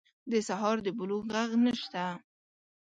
د سهار د بلوغ ږغ نشته